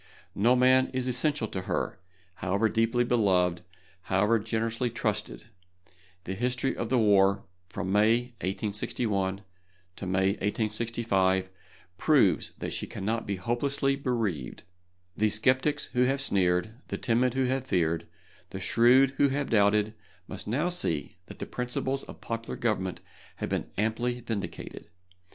No one man is essential to her, however deeply beloved, however generously trusted. The history of the war from May, 1861, to May, 1865, proves that she cannot be hopelessly bereaved. The sceptics who have sneered, the timid who have feared, the shrewd who have doubted, must now see that the principles of popular government have been amply vindicated.